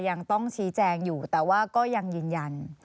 ยังต้องชี้แจงอยู่แต่ว่าก็ยังยืนยัน